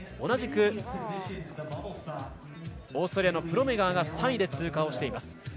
同じくオーストリアのプロメガーが３位で通過しています。